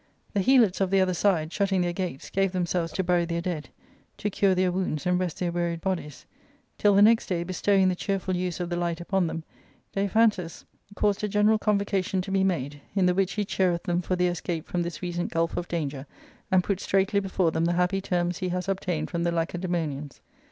The Helots, of the other side, shutting their gates, gave themselves to bury their dead, to cure their wounds, and rest their wearied bodies ; till, the next day bestowing the cheerful use of the light upon them, Daiphantus caused a general convocation to be made, in the which he cheereth them for their escape from this recent gulf of danger, and ' puts straightly before them the happy terms he has obtained from the Lacedaemonians.